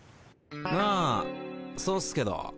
あそうっすけど。